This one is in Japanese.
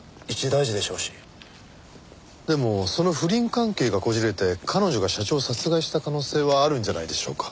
でもその不倫関係がこじれて彼女が社長を殺害した可能性はあるんじゃないでしょうか？